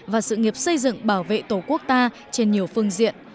và sự nghiệp xây dựng bảo vệ tổ quốc ta trên nhiều phương diện